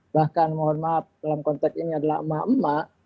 bahkan mohon maaf dalam konteks ini adalah emak emak